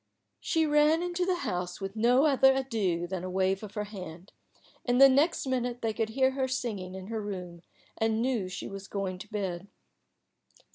She ran into the house with no other adieu than a wave of her hand, and the next minute they could hear her singing in her room, and knew she was going to bed.